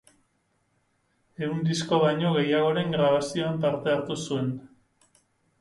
Ehun disko baino gehiagoren grabazioan parte hartu zuen.